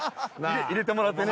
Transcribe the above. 入れてもらってね。